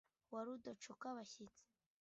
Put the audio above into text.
Uwa Rudacokabashyitsi